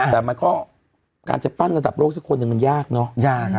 แต่การจะปั้นระดับโลกสักคนมันยากเนอะ